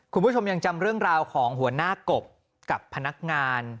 คุณผู้ชมยังจำเรื่องราวของหัวหน้ากบกับพนักงาน